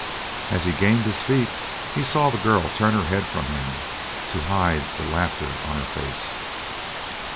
As he gained his feet he saw the girl turn her head from him to hide the laughter on her face.